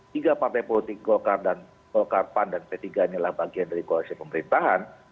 tiga partai politik golkar dan golkar pan dan p tiga inilah bagian dari koalisi pemerintahan